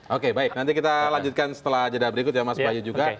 oke baik nanti kita lanjutkan setelah jeda berikut ya mas bayu juga